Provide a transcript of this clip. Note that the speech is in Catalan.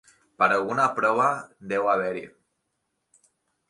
Però alguna prova deu haver-hi.